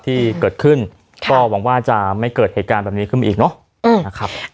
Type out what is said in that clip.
ที่เกิดขึ้นก็หวังว่าจะไม่เกิดเหตุการณ์แบบนี้ขึ้นมาอีกเนอะนะครับ